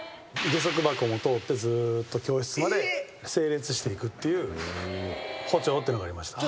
下足箱も通ってずーっと教室まで整列して行くっていう歩調ってのがありました。